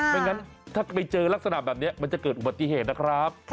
ไม่งั้นถ้าไปเจอลักษณะแบบนี้มันจะเกิดอุบัติเหตุนะครับ